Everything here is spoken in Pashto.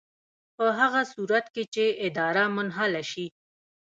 په هغه صورت کې چې اداره منحله شي.